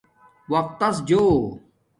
وقتس جو